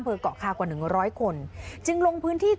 เกราะฆ่ากว่า๑๐๐คนจึงลงพื้นที่ค้น